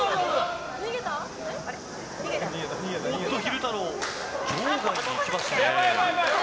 おっと、昼太郎これ、場外に行きましたね。